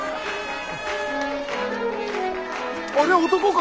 あれは男か？